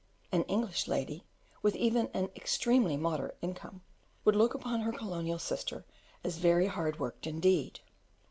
An English lady, with even an extremely moderate income, would look upon her colonial sister as very hard worked indeed.